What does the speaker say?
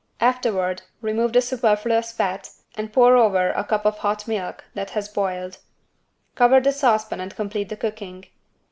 Afterward, remove the superfluous fat and pour over a cup of hot milk, that has boiled. Cover the saucepan and complete the cooking.